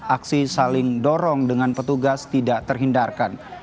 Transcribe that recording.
aksi saling dorong dengan petugas tidak terhindarkan